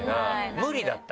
無理だった？